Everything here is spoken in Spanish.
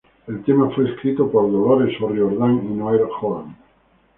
El tema fue escrito por Dolores O'Riordan y Noel Hogan.